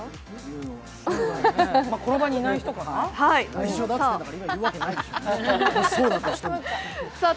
この場にいない人かなぁ。